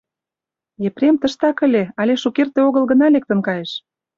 — Епрем тыштак ыле, але шукерте огыл гына лектын кайыш...